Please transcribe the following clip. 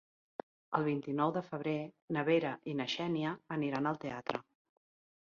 El vint-i-nou de febrer na Vera i na Xènia aniran al teatre.